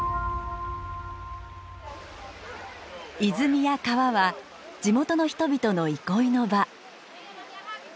泉や川は地元の人々の憩いの場。